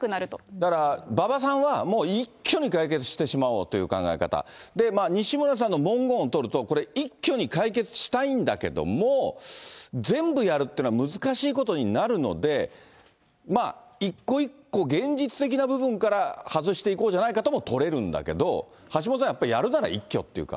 だから、馬場さんはもう一挙に解決してしまおうという考え方、西村さんの文言を取ると、これ、一挙に解決したいんだけども、全部やるっていうのは難しいことになるので、一個一個現実的な部分から外していこうじゃないかとも取れるんだけど、橋下さん、やっぱりやるなら一挙っていうか。